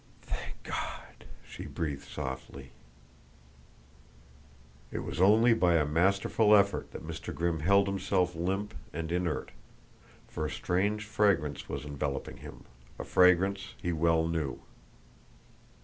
"Thank God!" she breathed softly. It was only by a masterful effort that Mr. Grimm held himself limp and inert, for a strange fragrance was enveloping him a fragrance he well knew.